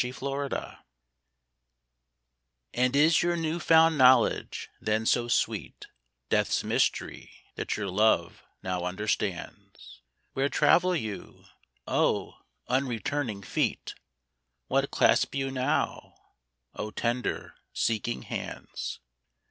D 49 Question A ND is your new found knowledge then so sweet Death's mystery that your love now understands? Where travel you, O unreturning feet, What clasp you now, O tender seeking hands